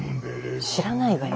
知らないわよ。